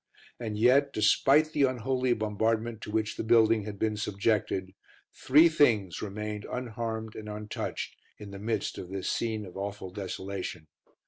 And yet, despite the unholy bombardment to which the building had been subjected, three things remained unharmed and untouched in the midst of this scene of awful desolation.